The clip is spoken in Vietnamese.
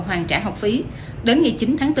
hoàn trả học phí đến ngày chín tháng bốn